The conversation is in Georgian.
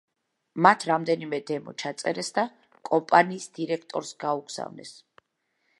მათ რამდენიმე დემო ჩაწერეს და კომპანიის დირექტორს გაუგზავნეს.